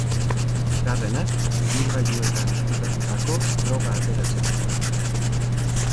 Bosgarrenak ibilgailuetan ezkutatutako droga ateratzen zuen.